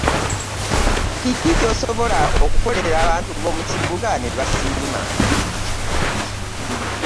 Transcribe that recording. Kiki ky'osobola okukolera abantu bo mu kibuga ne basiima?